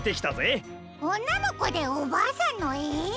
おんなのこでおばあさんのえ？